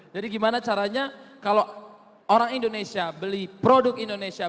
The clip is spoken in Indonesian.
jadi gimana caranya kalau orang indonesia beli produk indonesia